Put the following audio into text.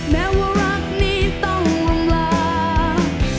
แม้ว่ารักนี้ต้องลงลา